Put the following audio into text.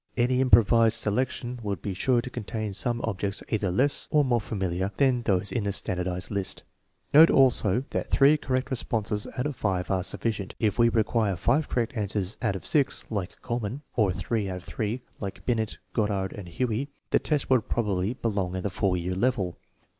Any improvised selection would be sure to contain some objects either less or more familiar than those in the standardized list. Note also that three correct responses out of five are sufficient. If we required five correct answers out of six (like Kuhlmann), or three out of three (like Binet, Goddard, and Huey), the test would probably belong at the 4 year level.